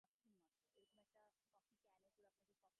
এসব বন্ধ করুন।